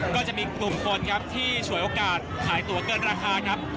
ก็จะมีกลุ่มคนครับที่ฉวยโอกาสขายตัวเกินราคาครับ